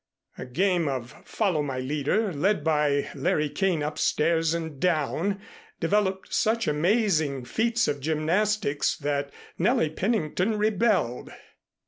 A game of "Follow My Leader," led by Larry Kane upstairs and down, developed such amazing feats of gymnastics that Nellie Pennington rebelled.